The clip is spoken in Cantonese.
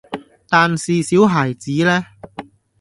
但是小孩子呢？